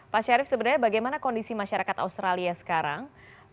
pak syarif sebenarnya bagaimana kondisi masyarakat australia sekarang